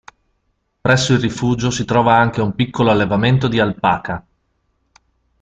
Presso il rifugio si trova anche un piccolo allevamento di alpaca.